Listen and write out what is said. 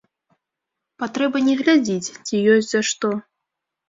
Патрэба не глядзіць, ці ёсць за што.